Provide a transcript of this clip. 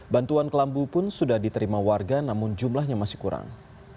bantuan kelambu pun sudah diterima warga namun jumlahnya masih kurang